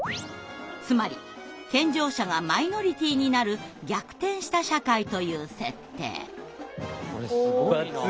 つまり健常者がマイノリティーになる逆転した社会という設定。